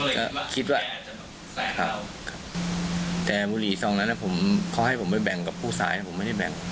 ก็คิดว่าสายขาวครับแต่บุหรี่ซองนั้นผมเขาให้ผมไปแบ่งกับผู้สายผมไม่ได้แบ่ง